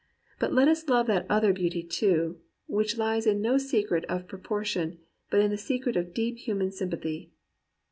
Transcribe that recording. But let us love that other beauty, too, which Ues in no secret of proportion, but in the secret of deep hu man sympathy."